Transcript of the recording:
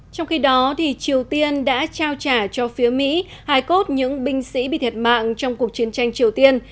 trong khi đó triều tiên đã trao trả cho phía mỹ hai cốt những binh sĩ bị thiệt mạng trong cuộc chiến tranh triều tiên